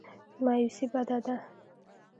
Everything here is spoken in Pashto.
مایوسي بده ده.